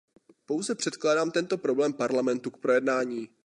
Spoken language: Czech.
Pouze předkládám tento problém Parlamentu k projednání.